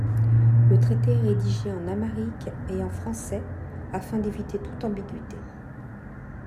Le traité est rédigé en amharique et en français afin d'éviter toute ambiguïté.